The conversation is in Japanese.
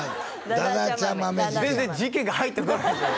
豆全然事件が入ってこないんですよね